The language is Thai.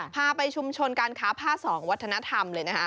พาไปชุมชนการค้าผ้า๒วัฒนธรรมเลยนะคะ